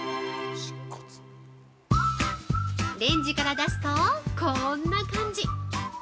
◆レンジから出すとこーんな感じ。